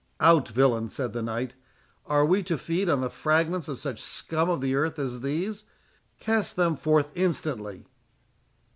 "Out, villain!" said the knight; "are we to feed on the fragments of such scum of the earth as these? Cast them forth instantly!